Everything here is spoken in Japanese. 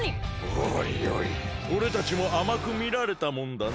おいおいおれたちもあまくみられたもんだな。